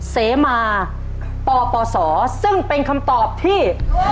เสมาปปศซึ่งเป็นคำตอบที่